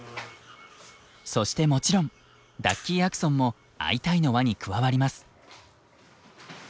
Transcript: そしてもちろんダッキーアクソンも「アイタイ！」の輪に加わります。